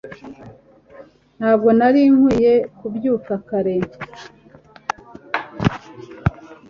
Ntabwo nari nkwiye kubyuka kare